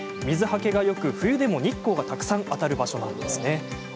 水はけがよく冬でも日光がたくさん当たる場所です。